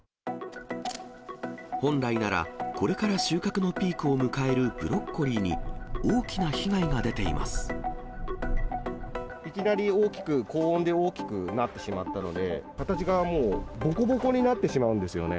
本来なら、これから収穫のピークを迎えるブロッコリーに、大きな被害が出ていきなり大きく、高温で大きくなってしまったので、形がもう、ぼこぼこになってしまうんですよね。